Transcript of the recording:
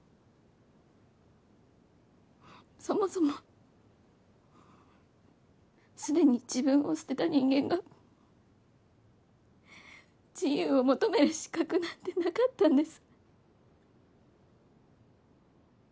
そもそもすでに自分を捨てた人間が自由を求める資格なんてなかったんです。